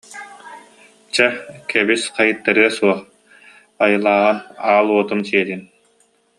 «Чэ, кэбис хайыттарыа суох, айылааҕын аал уотум сиэтин